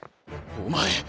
お前！